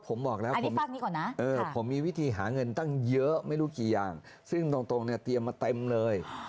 ผมบอกแล้วผมฝากนี้ก่อนนะผมมีวิธีหาเงินตั้งเยอะไม่รู้กี่อย่างซึ่งตรงเนี่ยเตรียมมาเต็มเลย